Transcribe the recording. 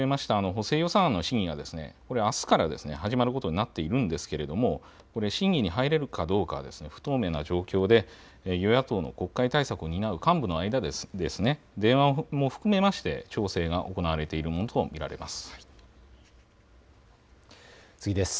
補正予算案の審議、あすから始まることになっているんですけれども、審議に入れるかどうかは不透明な状況で与野党の国会対策を担う幹部の間で電話も含めまして調整が行われているものと見られます。